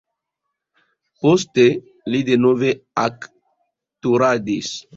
Poste li denove aktoradis.